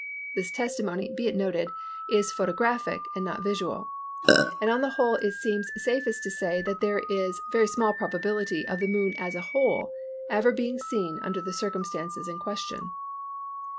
This testimony, be it noted, is photographic and not visual; and on the whole it seems safest to say that there is very small probability of the Moon as a whole ever being seen under the circumstances in question.